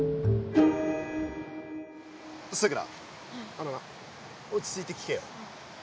あのな落ち着いて聞けよ。